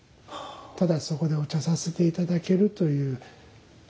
ただそこでお茶させて頂けるという。